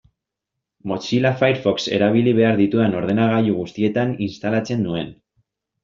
Mozilla Firefox erabili behar ditudan ordenagailu guztietan instalatzen nuen.